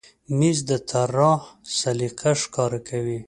مېز د طراح سلیقه ښکاره کوي.